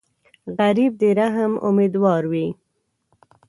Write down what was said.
غریب د رحم امیدوار وي